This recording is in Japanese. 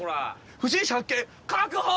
不審者発見確保！